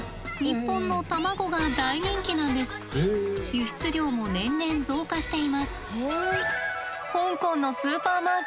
輸出量も年々増加しています。